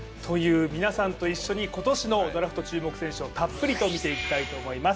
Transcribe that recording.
皆さんと一緒に今年のドラフト注目選手をたっぷり見ていきたいと思います